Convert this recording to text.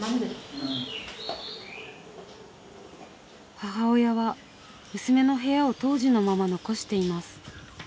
母親は娘の部屋を当時のまま残しています。